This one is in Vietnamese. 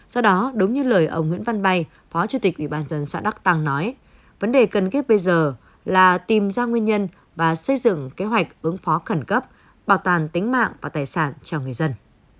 do đó đúng như lời ông nguyễn văn bay phó chủ tịch ủy ban dân xã đắc tăng nói vấn đề cần ghép bây giờ là tìm ra nguyên nhân và xây dựng kế hoạch ứng phó khẩn cấp bảo toàn tính mạng và tài sản cho người dân